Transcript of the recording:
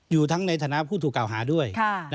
อยู่ทั้งในฐานะผู้ถูกกล่าวหาด้วย